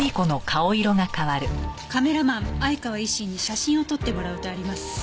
「カメラマン愛川維新に写真を撮ってもらう」とあります。